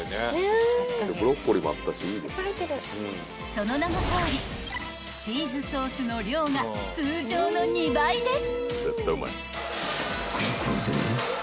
［その名のとおりチーズソースの量が通常の２倍です］